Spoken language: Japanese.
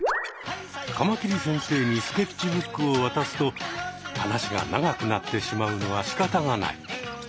カマキリ先生にスケッチブックをわたすと話が長くなってしまうのはしかたがない。